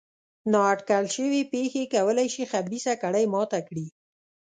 نا اټکل شوې پېښې کولای شي خبیثه کړۍ ماته کړي.